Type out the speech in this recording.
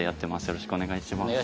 よろしくお願いします。